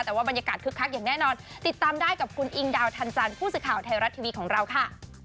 แต่ว่าบรรยากาศคึกคักอย่างแน่นอนติดตามได้กับคุณอิงดาวทันจันทร์ผู้สื่อข่าวไทยรัฐทีวีของเราค่ะ